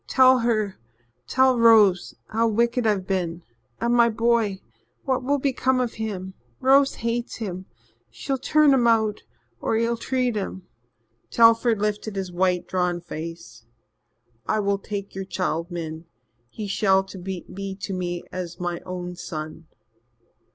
Tell her tell Rose how wicked I've been. And my boy what will become of him? Rose hates him she'll turn him out or ill treat him " Telford lifted his white, drawn face. "I will take your child, Min. He shall be to me as my own son."